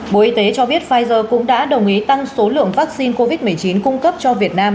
bộ y tế cho biết pfizer cũng đã đồng ý tăng số lượng vaccine covid một mươi chín cung cấp cho việt nam